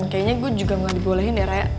kayaknya gue juga gak dibolehin ya raya